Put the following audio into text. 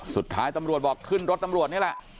สุดท้ายตำรวจบอกขึ้นรถตำรวจนี่แหละ